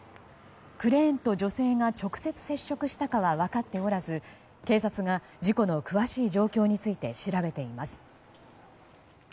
クレーンと女性が直接接触したかは分かっておらず警察が事故の詳しい状況について調べています。